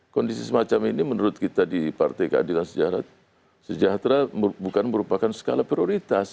kondisi semacam ini menurut kita di partai keadilan sejahtera bukan merupakan skala prioritas